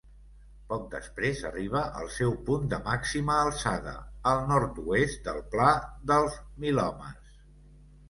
Poc després arriba al seu punt de màxima alçada, al nord-oest del Pla del Milhomes.